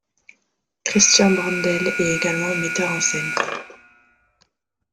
Christian Brendel est également metteur en scène.